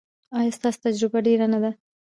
ایا ستاسو تجربه ډیره نه ده؟